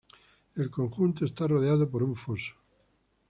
El conjunto está rodeado por un foso.